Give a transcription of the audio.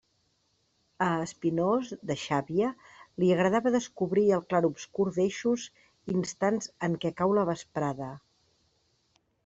A Espinós, de Xàbia, li agradava descobrir el clarobscur d'eixos instants en què cau la vesprada.